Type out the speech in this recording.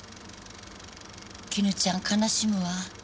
絹ちゃん悲しむわ。